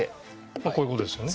こういう事ですよね。